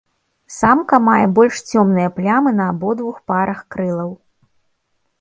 Самка мае больш цёмныя плямы на абодвух парах крылаў.